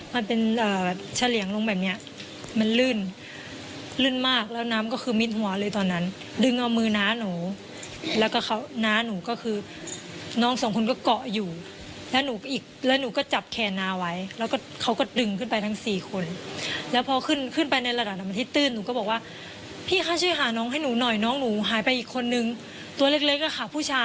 มันเป็นแบบเฉลี่ยงลงแบบเนี้ยมันลื่นลื่นมากแล้วน้ำก็คือมิดหัวเลยตอนนั้นดึงเอามือน้าหนูแล้วก็เขาน้าหนูก็คือน้องสองคนก็เกาะอยู่แล้วหนูไปอีกแล้วหนูก็จับแขนน้าไว้แล้วก็เขาก็ดึงขึ้นไปทั้งสี่คนแล้วพอขึ้นขึ้นไปในระดับน้ำมันที่ตื้นหนูก็บอกว่าพี่คะช่วยหาน้องให้หนูหน่อยน้องหนูหายไปอีกคนนึงตัวเล็กเล็กอะค่ะผู้ชาย